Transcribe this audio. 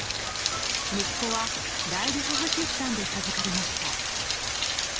息子は代理母出産で授かりました。